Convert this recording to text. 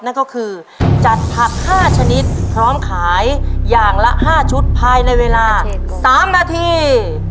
นั่นก็คือจัดผัก๕ชนิดพร้อมขายอย่างละ๕ชุดภายในเวลา๓นาที